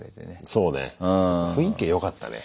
そうね雰囲気がよかったね。